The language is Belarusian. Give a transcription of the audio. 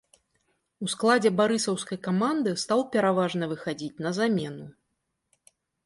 У складзе барысаўскай каманды стаў пераважна выхадзіць на замену.